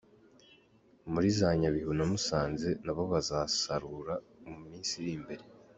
Muri za Nyabihu na Musanze nabo bazasarura mu minsi iri imbere.